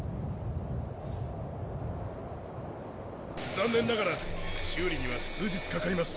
残念ながら修理には数日かかります。